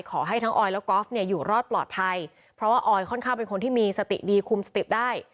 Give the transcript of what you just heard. ขอให้ทั้งออยและกอล์ฟเนี่ยอยู่รอดปลอดภัยเพราะว่าออยค่อนข้างเป็นคนที่มีสติดีคุมสติได้